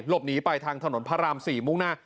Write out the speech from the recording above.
หลบหนีไปทางถนนพระราม๔มุ่งหน้า